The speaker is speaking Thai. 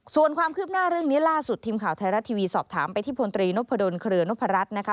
ส่วนความคืบหน้าเรื่องนี้ล่าสุดทีมข่าวไทยรัฐทีวีสอบถามไปที่พลตรีนพดลเครือนพรัชนะคะ